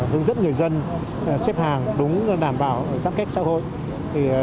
hướng dẫn người dân xếp hàng đúng đảm bảo giám kết xã hội